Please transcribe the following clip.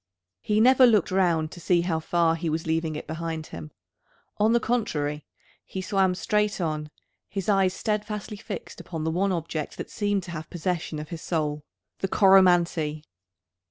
He never looked round to see how far he was leaving it behind him. On the contrary, he swam straight on, his eyes steadfastly fixed upon the one object that seemed to have possession of his soul, the Coromantee!